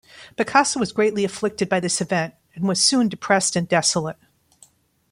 Picasso was greatly afflicted by this event and was soon depressed and desolate.